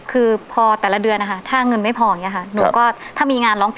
คือพอแต่ละเดือน